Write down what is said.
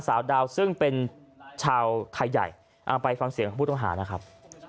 สาวดาวซึ่งเป็นชาวไทยใหญ่เอาไปฟังเสียงพูดโทษหานะครับ